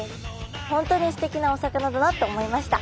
本当にすてきなお魚だなと思いました。